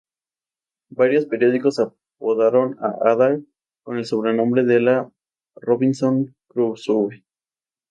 Varios periódicos apodaron a Ada con el sobrenombre de "la Robinson Crusoe".